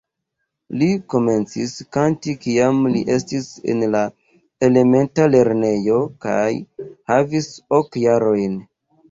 Li komencis kanti kiam li estis en la elementa lernejo kaj havis ok jarojn.